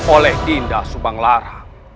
oleh dinda subang lara